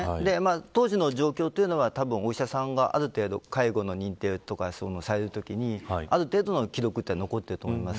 当時の状況は、お医者さんが介護の認定とかされるときにある程度の記録は残っていると思います。